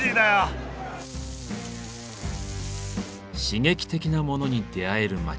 刺激的なモノに出会える街